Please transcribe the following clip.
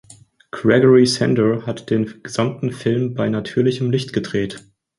Gregory Sandor hat den gesamten Film bei natürlichem Licht gedreht.